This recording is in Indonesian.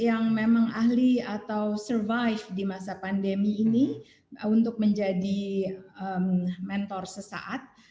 yang memang ahli atau survive di masa pandemi ini untuk menjadi mentor sesaat